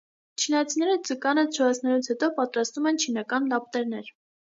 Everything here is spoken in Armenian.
Չինացիները ձկանը չորացնելուց հետո պատրաստում են չինական լապտերներ։